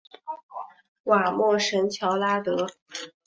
瓦莫什乔拉德。